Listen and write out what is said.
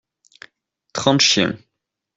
Trente chiens.